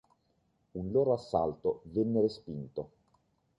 Un loro assalto venne respinto.